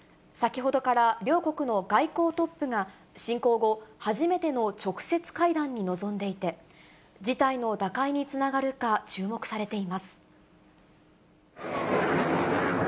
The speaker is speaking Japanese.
先ほどから両国の外交トップが侵攻後、初めての直接会談に臨んでいて、事態の打開につながるか、注目されています。